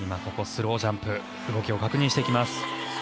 スロージャンプ動きを確認していきます。